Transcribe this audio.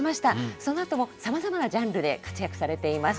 そのあともさまざまなジャンルで活躍されています。